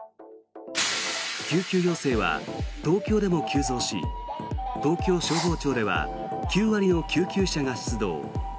救急要請は東京でも急増し東京消防庁では９割の救急車が出動。